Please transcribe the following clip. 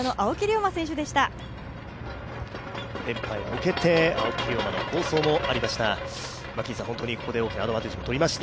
連覇へ向けて青木涼真の好走もありました。